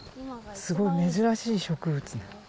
すごい珍しい植物なの。